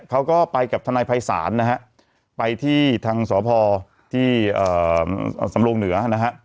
เขาก็ไปกับทนายภัยศาลนะฮะไปที่ทางสพที่สำรงเหนือนะฮะ